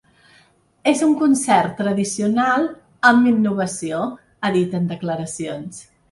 És un concert tradicional amb innovació, ha dit en declaracions.